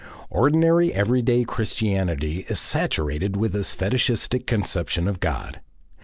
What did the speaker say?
Ordinary everyday Christianity is saturated with this fetishistic conception of God.